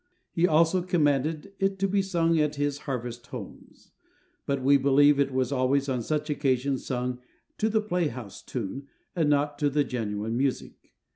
He also commanded it to be sung at his harvest homes, but we believe it was always on such occasions sung to the 'playhouse tune,' and not to the genuine music.